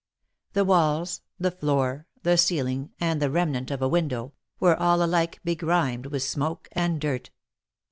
The walls, the floor, the ceiling, and the remnant of a window, were all alike begrimed with smoke and dirt.